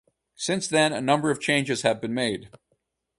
Since then, a number of changes have been made.